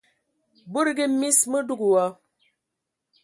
Budugi mis, mə dug wa.